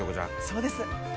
そうです。